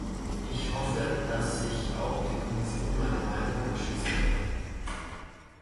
Ich hoffe, dass sich auch die Kommission meiner Meinung anschließen wird.